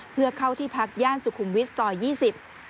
เพื่อเข้าที่พักย่านสุขุมวิทย์ซอยยี่สิบ